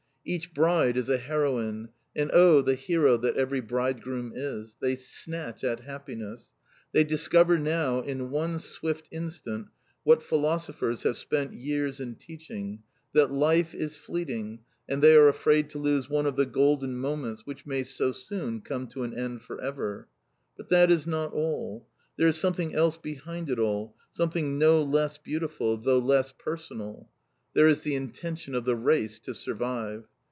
Each bride is a heroine, and oh, the hero that every bridegroom is! They snatch at happiness. They discover now, in one swift instant, what philosophers have spent years in teaching; that "life is fleeting," and they are afraid to lose one of the golden moments which may so soon come to an end for ever. But that is not all. There is something else behind it all something no less beautiful, though less personal. There is the intention of the race to survive.